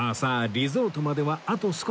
リゾートまではあと少し